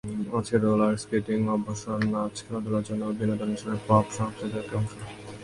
আজকের roller skating অবসর নাচ, খেলাধুলার জন্য এবং বিনোদন হিসেবে পপ সংস্কৃতির একটি অংশ।